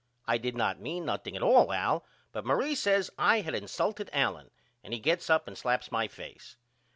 I did not mean nothing at all Al but Marie says I had insulted Allen and he gets up and slaps my face.